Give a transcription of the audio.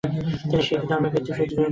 তিনি শিখধর্মের ভিত্তি সুদৃঢ় করেন।